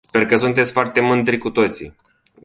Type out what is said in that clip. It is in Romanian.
Sper că sunteți foarte mândri cu toții!